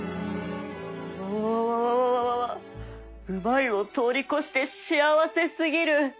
わわわわうまいを通り越して幸せ過ぎる！